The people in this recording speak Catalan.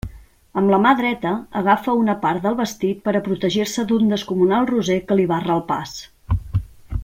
Amb la mà dreta agafa una part del vestit per a protegir-se d'un descomunal roser que li barra el pas.